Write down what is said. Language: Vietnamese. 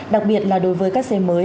đặc biệt là đối với các xe mới